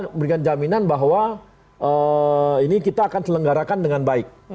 memberikan jaminan bahwa ini kita akan selenggarakan dengan baik